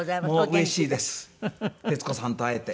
もううれしいです徹子さんと会えて。